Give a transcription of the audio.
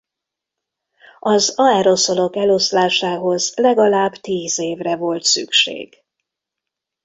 Az aeroszolok eloszlásához legalább tíz évre volt szükség.